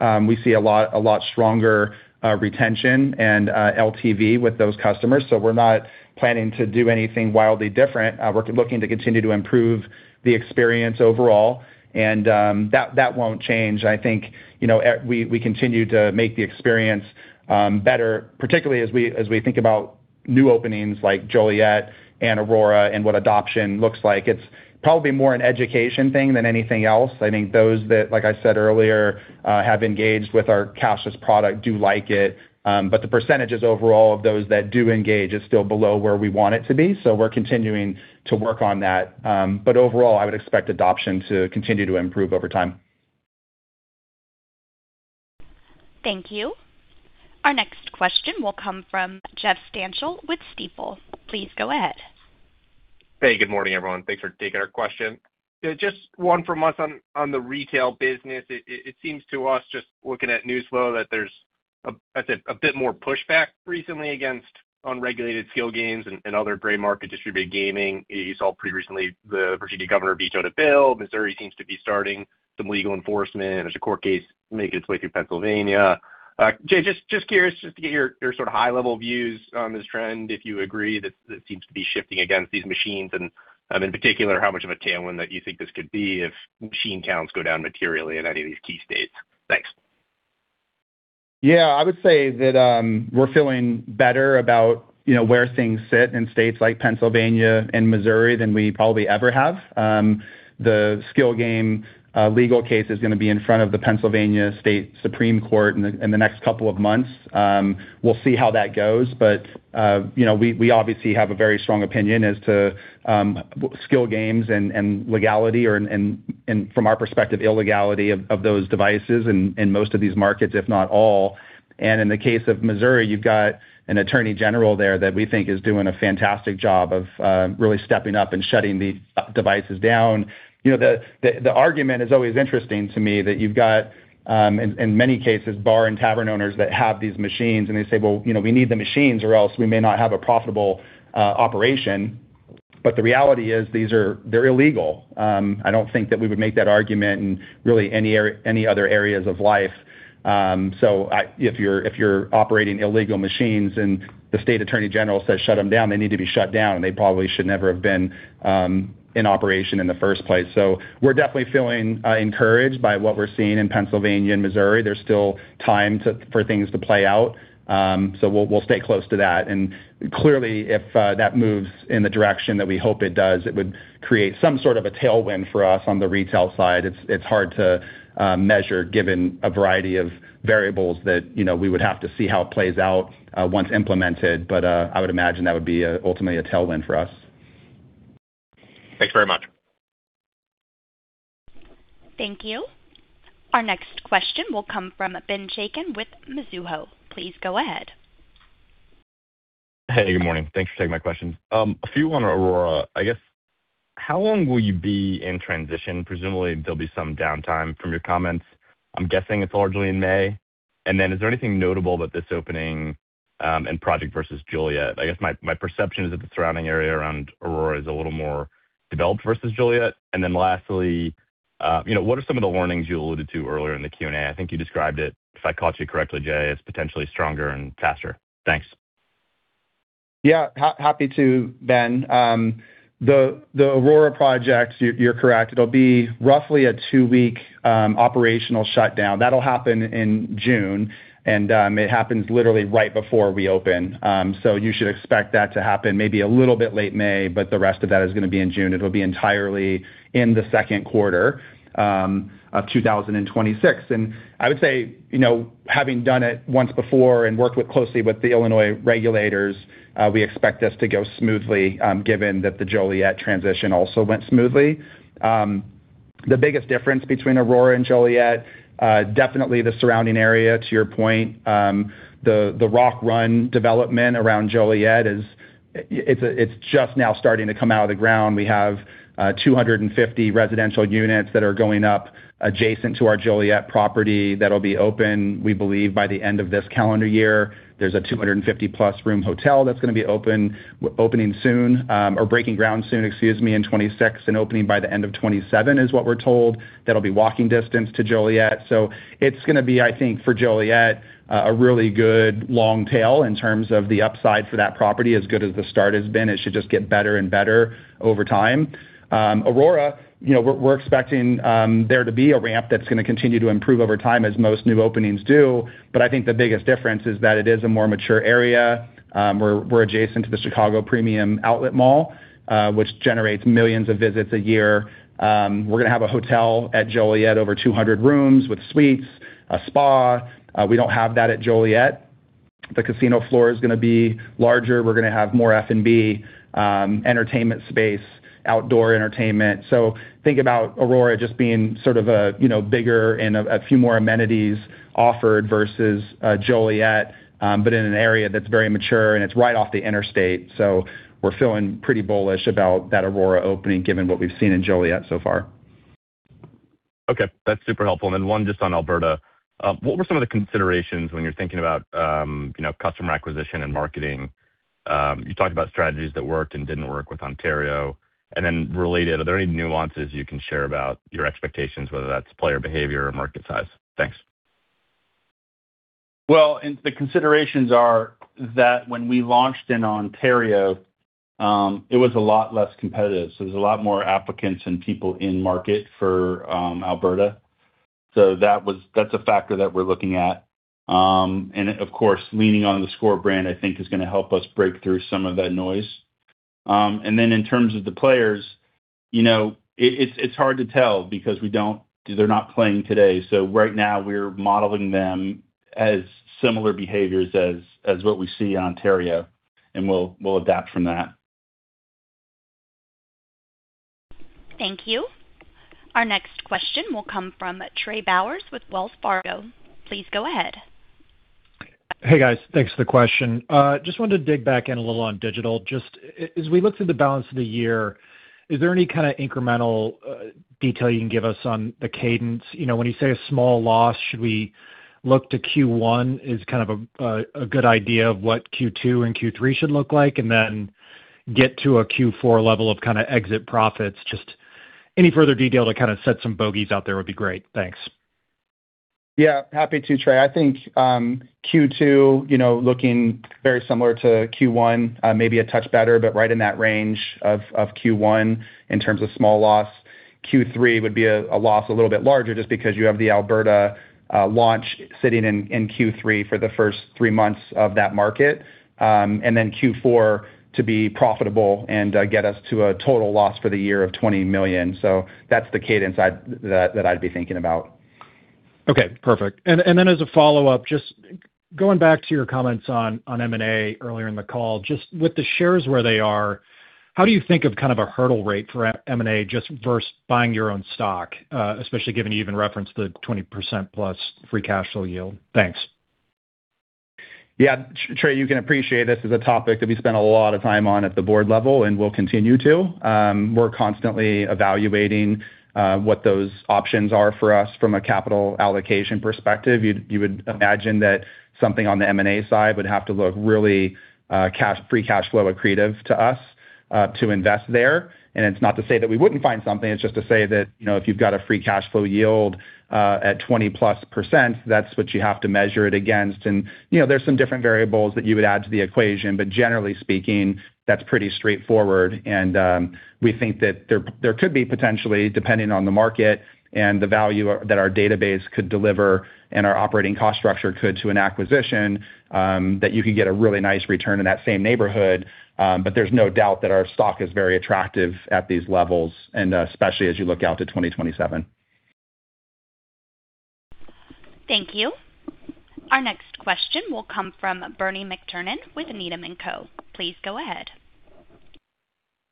We see a lot stronger retention and LTV with those customers. We're not planning to do anything wildly different. We're looking to continue to improve the experience overall, and that won't change. I think, we continue to make the experience better, particularly as we think about new openings like Joliet and Aurora and what adoption looks like. It's probably more an education thing than anything else. I think those that, like I said earlier, have engaged with our cashless product do like it. The percentages overall of those that do engage is still below where we want it to be, so we're continuing to work on that. Overall, I would expect adoption to continue to improve over time. Thank you. Our next question will come from Jeff Stantial with Stifel. Please go ahead. Hey, good morning, everyone. Thanks for taking our question. Just one from us on the retail business. It seems to us, just looking at news flow, that there's a bit more pushback recently against unregulated skill games and other gray market distributed gaming. You saw pretty recently the Virginia governor vetoed a bill. Missouri seems to be starting some legal enforcement. There's a court case making its way through Pennsylvania. Jay, just curious just to get your sort of high-level views on this trend, if you agree that it seems to be shifting against these machines, and in particular, how much of a tailwind that you think this could be if machine counts go down materially in any of these key states. Thanks. Yeah, I would say that we're feeling better about where things sit in states like Pennsylvania and Missouri than we probably ever have. The skill game legal case is going to be in front of the Pennsylvania State Supreme Court in the next couple of months. We'll see how that goes, but we obviously have a very strong opinion as to skill games and legality or, from our perspective, illegality of those devices in most of these markets, if not all. In the case of Missouri, you've got an attorney general there that we think is doing a fantastic job of really stepping up and shutting these devices down. The argument is always interesting to me that you've got, in many cases, bar and tavern owners that have these machines and they say, "Well, we need the machines or else we may not have a profitable operation." The reality is, they're illegal. I don't think that we would make that argument in really any other areas of life. If you're operating illegal machines and the state attorney general says shut them down, they need to be shut down, and they probably should never have been in operation in the first place. We're definitely feeling encouraged by what we're seeing in Pennsylvania and Missouri. There's still time for things to play out, so we'll stay close to that. Clearly, if that moves in the direction that we hope it does, it would create some sort of a tailwind for us on the retail side. It's hard to measure given a variety of variables that we would have to see how it plays out once implemented. I would imagine that would be ultimately a tailwind for us. Thanks very much. Thank you. Our next question will come from Ben Chaiken with Mizuho. Please go ahead. Hey, good morning. Thanks for taking my questions. A few on Aurora, I guess, how long will you be in transition? Presumably there'll be some downtime from your comments. I'm guessing it's largely in May. Then is there anything notable about this opening and project versus Joliet? I guess my perception is that the surrounding area around Aurora is a little more developed versus Joliet. Then lastly, what are some of the learnings you alluded to earlier in the Q&A? I think you described it, if I caught you correctly, Jay, as potentially stronger and faster. Thanks. Yeah. Happy to, Ben. The Aurora project, you're correct, it'll be roughly a two-week operational shutdown. That'll happen in June, and it happens literally right before we open. You should expect that to happen maybe a little bit late May, but the rest of that is going to be in June. It'll be entirely in the second quarter of 2026. I would say, having done it once before and worked closely with the Illinois regulators, we expect this to go smoothly, given that the Joliet transition also went smoothly. The biggest difference between Aurora and Joliet, definitely the surrounding area, to your point. The Rock Run development around Joliet, it's just now starting to come out of the ground. We have 250 residential units that are going up adjacent to our Joliet property that'll be open, we believe, by the end of this calendar year. There's a 250-plus room hotel that's going to be opening soon, or breaking ground soon, excuse me, in 2026 and opening by the end of 2027 is what we're told. That'll be walking distance to Joliet. It's going to be, I think, for Joliet, a really good long tail in terms of the upside for that property. As good as the start has been, it should just get better and better over time. Aurora, we're expecting there to be a ramp that's going to continue to improve over time, as most new openings do. I think the biggest difference is that it is a more mature area. We're adjacent to the Chicago Premium Outlet Mall, which generates millions of visits a year. We're going to have a hotel at Joliet, over 200 rooms with suites, a spa. We don't have that at Joliet. The casino floor is going to be larger. We're going to have more F&B entertainment space, outdoor entertainment. Think about Aurora just being sort of a bigger and a few more amenities offered versus Joliet, but in an area that's very mature and it's right off the interstate. We're feeling pretty bullish about that Aurora opening, given what we've seen in Joliet so far. Okay, that's super helpful. One just on Alberta, what were some of the considerations when you're thinking about customer acquisition and marketing? You talked about strategies that worked and didn't work with Ontario, and then related, are there any nuances you can share about your expectations, whether that's player behavior or market size? Thanks. Well, the considerations are that when we launched in Ontario, it was a lot less competitive, so there's a lot more applicants and people in market for Alberta. That's a factor that we're looking at. Of course, leaning on the theScore brand, I think is going to help us break through some of that noise. Then in terms of the players, it's hard to tell because they're not playing today. Right now we're modeling them as similar behaviors as what we see in Ontario, and we'll adapt from that. Thank you. Our next question will come from Trey Bowers with Wells Fargo. Please go ahead. Hey, guys. Thanks for the question. Just wanted to dig back in a little on digital. Just as we look to the balance of the year, is there any kind of incremental detail you can give us on the cadence? When you say a small loss, should we look to Q1 as kind of a good idea of what Q2 and Q3 should look like and then get to a Q4 level of kind of exit profits? Just any further detail to kind of set some bogeys out there would be great. Thanks. Yeah, happy to, Trey. I think Q2 looking very similar to Q1. Maybe a touch better, but right in that range of Q1 in terms of small loss. Q3 would be a loss a little bit larger just because you have the Alberta launch sitting in Q3 for the first three months of that market. Q4 to be profitable and get us to a total loss for the year of $20 million. That's the cadence that I'd be thinking about. Okay, perfect. As a follow-up, just going back to your comments on M&A earlier in the call, just with the shares where they are, how do you think of kind of a hurdle rate for M&A just versus buying your own stock? Especially given you even referenced the 20%+ free cash flow yield. Thanks. Yeah, Trey, you can appreciate this is a topic that we spent a lot of time on at the board level, and will continue to. We're constantly evaluating what those options are for us from a capital allocation perspective. You would imagine that something on the M&A side would have to look really free cash flow accretive to us to invest there. And it's not to say that we wouldn't find something, it's just to say that, if you've got a free cash flow yield at 20%+, that's what you have to measure it against. And there's some different variables that you would add to the equation. Generally speaking, that's pretty straightforward. We think that there could be potentially, depending on the market and the value that our database could deliver and our operating cost structure could to an acquisition, that you could get a really nice return in that same neighborhood. There's no doubt that our stock is very attractive at these levels, and especially as you look out to 2027. Thank you. Our next question will come from Bernie McTernan with Needham & Co. Please go ahead.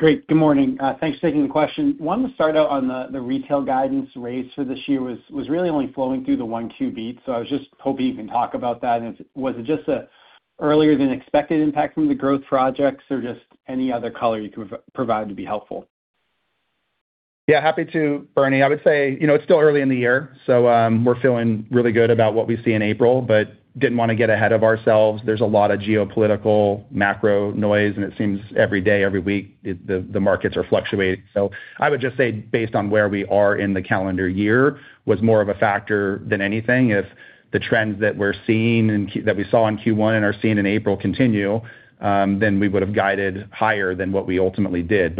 Great. Good morning. Thanks for taking the question. Wanted to start out on the retail guidance raise for this year was really only flowing through the 1Q beat. I was just hoping you can talk about that. Was it just an earlier than expected impact from the growth projects, or just any other color you can provide would be helpful. Yeah, happy to, Bernie. I would say it's still early in the year, so we're feeling really good about what we see in April, but didn't want to get ahead of ourselves. There's a lot of geopolitical macro noise, and it seems every day, every week, the markets are fluctuating. I would just say based on where we are in the calendar year was more of a factor than anything. If the trends that we saw in Q1 and are seeing in April continue, then we would've guided higher than what we ultimately did.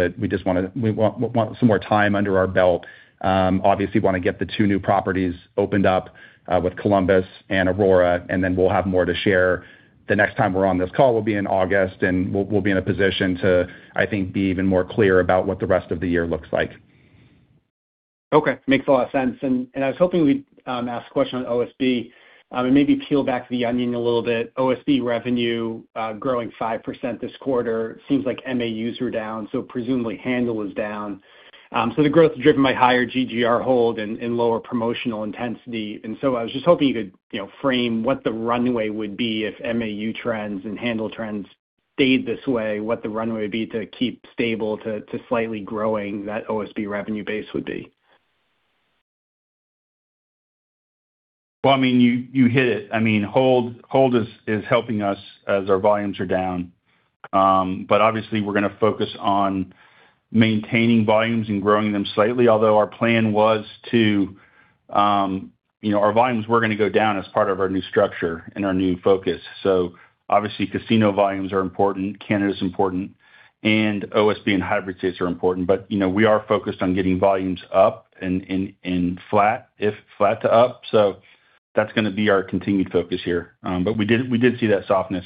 We want some more time under our belt. Obviously want to get the two new properties opened up, with Columbus and Aurora, and then we'll have more to share. The next time we're on this call will be in August, and we'll be in a position to, I think, be even more clear about what the rest of the year looks like. Okay. Makes a lot of sense. I was hoping we'd ask a question on OSB, and maybe peel back the onion a little bit. OSB revenue growing 5% this quarter seems like MAUs are down, so presumably handle is down. The growth is driven by higher GGR hold and lower promotional intensity. I was just hoping you could frame what the runway would be if MAU trends and handle trends stayed this way, what the runway would be to keep stable to slightly growing that OSB revenue base would be. Well, I mean, you hit it. I mean, hold is helping us as our volumes are down. Obviously we're going to focus on maintaining volumes and growing them slightly. Although our plan was our volumes were going to go down as part of our new structure and our new focus. Obviously casino volumes are important, Canada's important, and OSB and hybrid states are important, but we are focused on getting volumes up and flat, if flat to up. That's going to be our continued focus here. We did see that softness.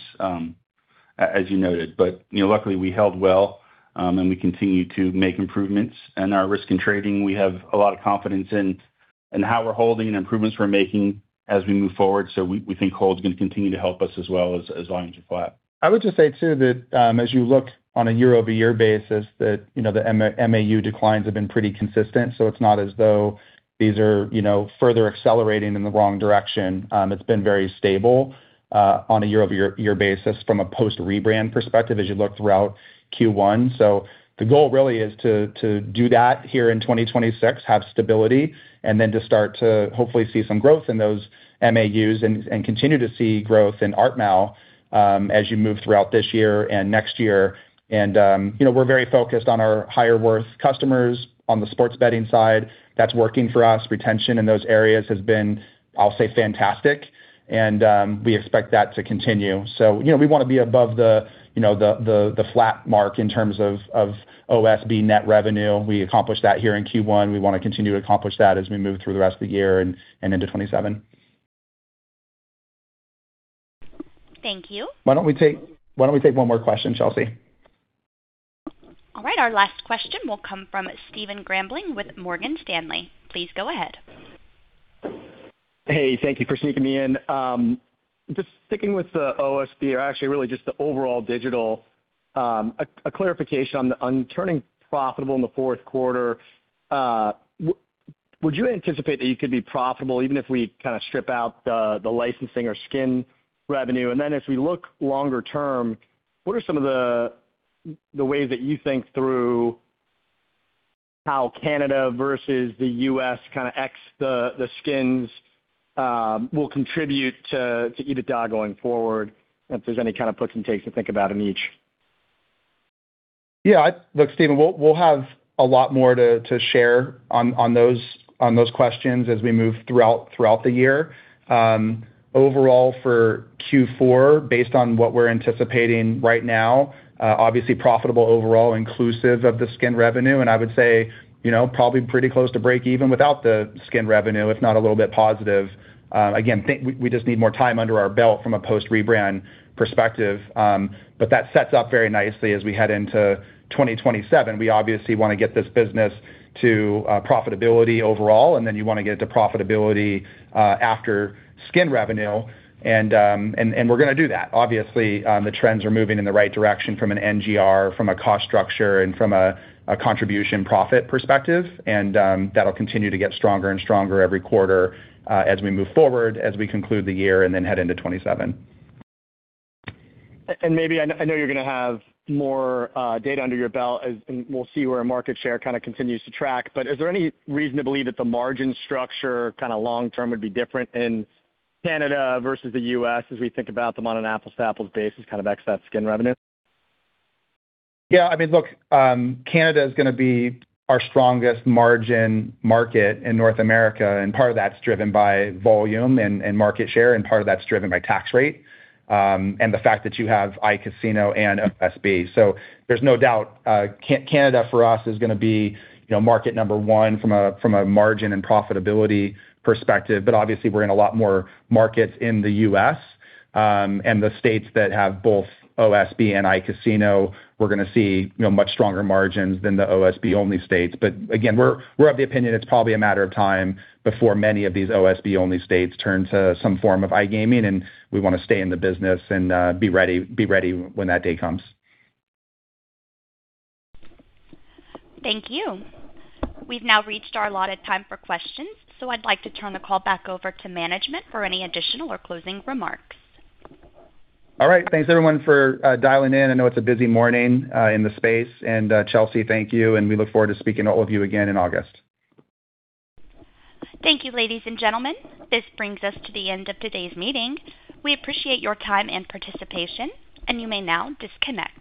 As you noted. Luckily, we held well, and we continue to make improvements. Our risk in trading, we have a lot of confidence in how we're holding and improvements we're making as we move forward. We think hold's going to continue to help us as well as volumes are flat. I would just say, too, that as you look on a year-over-year basis, that the MAU declines have been pretty consistent. It's not as though these are further accelerating in the wrong direction. It's been very stable on a year-over-year basis from a post-rebrand perspective as you look throughout Q1. The goal really is to do that here in 2026, have stability, and then to start to hopefully see some growth in those MAUs and continue to see growth in ARP now as you move throughout this year and next year. We're very focused on our higher worth customers on the sports betting side. That's working for us. Retention in those areas has been, I'll say, fantastic, and we expect that to continue. We want to be above the flat mark in terms of OSB net revenue. We accomplished that here in Q1. We want to continue to accomplish that as we move through the rest of the year and into 2027. Thank you. Why don't we take one more question, Chelsea? All right. Our last question will come from Stephen Grambling with Morgan Stanley. Please go ahead. Hey, thank you for sneaking me in. Just sticking with the OSB or actually really just the overall digital, a clarification on turning profitable in the fourth quarter, would you anticipate that you could be profitable even if we kind of strip out the licensing or skin revenue? As we look longer term, what are some of the ways that you think through how Canada versus the U.S. kind of ex the skins will contribute to EBITDA going forward, if there's any kind of puts and takes to think about in each? Yeah. Look, Stephen, we'll have a lot more to share on those questions as we move throughout the year. Overall for Q4, based on what we're anticipating right now, obviously profitable overall inclusive of the skin revenue, and I would say, probably pretty close to breakeven without the skin revenue, if not a little bit positive. Again, we just need more time under our belt from a post-rebrand perspective. That sets up very nicely as we head into 2027. We obviously want to get this business to profitability overall, and then you want to get it to profitability after skin revenue. We're going to do that. Obviously, the trends are moving in the right direction from an NGR, from a cost structure, and from a contribution profit perspective. That'll continue to get stronger and stronger every quarter as we move forward, as we conclude the year and then head into 2027. Maybe, I know you're going to have more data under your belt as, and we'll see where our market share kind of continues to track, but is there any reason to believe that the margin structure kind of long term would be different in Canada versus the U.S. as we think about them on an apples-to-apples basis, kind of ex that skin revenue? Yeah. I mean, look, Canada is going to be our strongest margin market in North America, and part of that's driven by volume and market share, and part of that's driven by tax rate, and the fact that you have iCasino and OSB. There's no doubt, Canada for us is going to be market number one from a margin and profitability perspective. Obviously, we're in a lot more markets in the U.S. The states that have both OSB and iCasino, we're going to see much stronger margins than the OSB-only states. We're of the opinion it's probably a matter of time before many of these OSB-only states turn to some form of iGaming, and we want to stay in the business and be ready when that day comes. Thank you. We've now reached our allotted time for questions, so I'd like to turn the call back over to management for any additional or closing remarks. All right. Thanks everyone for dialing in. I know it's a busy morning in the space. Chelsea, thank you, and we look forward to speaking to all of you again in August. Thank you, ladies and gentlemen. This brings us to the end of today's meeting. We appreciate your time and participation, and you may now disconnect.